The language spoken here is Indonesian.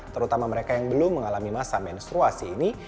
terutama mereka yang belum mengalami masa menstruasi ini